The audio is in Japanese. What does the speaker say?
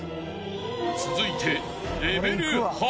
［続いて］